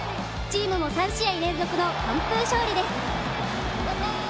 チームの３試合連続の完封勝利です。